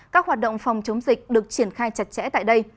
các hoạt động phòng chống dịch được triển khai chặt chẽ tại đây